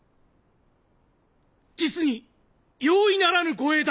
実に容易ならぬご英断！